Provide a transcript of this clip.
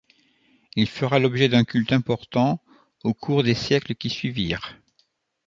Il fera l'objet d'un culte important au cours des siècles qui suivirent.